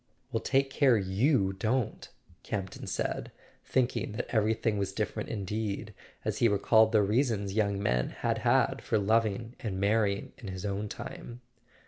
"Well—take care you don't," Campton said, think¬ ing that everything was different indeed, as he recalled the reasons young men had had for loving and marry¬ ing in his own time.